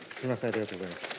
ありがとうございます。